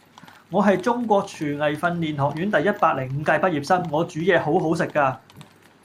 我係中國廚藝訓練學院第一百零五屆畢業生，我煮嘢好好食㗎